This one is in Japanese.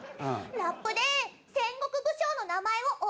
ラップで戦国武将の名前を覚えようよ！